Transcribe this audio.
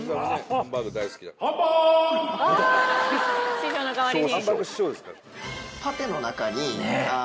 師匠の代わりに。